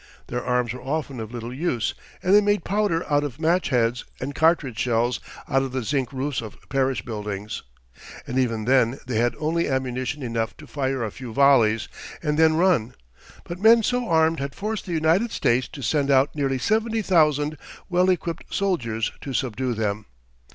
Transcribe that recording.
Their arms were often of little use, and they made powder out of match heads and cartridge shells out of the zinc roofs of parish buildings, and even then they had only ammunition enough to fire a few volleys and then run. But men so armed had forced the United States to send out nearly seventy thousand well equipped soldiers to subdue them.